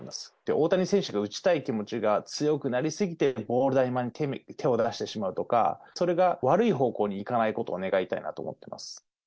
大谷選手が打ちたい気持ちが強くなり過ぎて、ボール球に手を出してしまうとか、それが悪い方向にいかないことを願いたいなと思ってます。